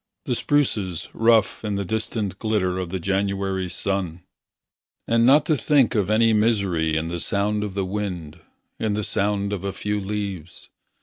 The spruces rough in the distant glitter Of the January sun; and not to think Of any misery in the sound of the wind. In the sound of a few leaves.